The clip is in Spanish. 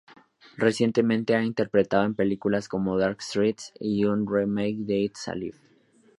Recientemente ha interpretado en películas como "Dark Streets" y un "remake" de "It's Alive".